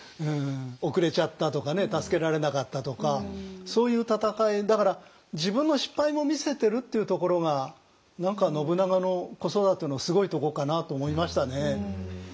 遅れちゃったとか助けられなかったとかそういう戦いだから自分の失敗も見せてるっていうところが何か信長の子育てのすごいとこかなと思いましたね。